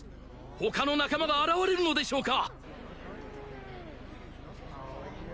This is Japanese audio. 他の仲間が現れるのでしょうか？